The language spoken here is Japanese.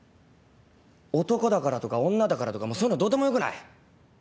男だからとか女だからとかもうそういうのどうでもよくない？